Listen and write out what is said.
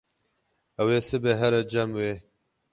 Ew ê sibê here cem wê.